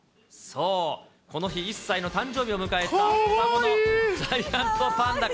そう、この日、１歳の誕生日を迎えた双子のジャイアントパンダ。